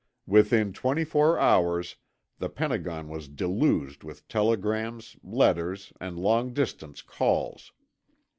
Within twenty four hours the Pentagon was deluged with telegrams, letters, and long distance calls.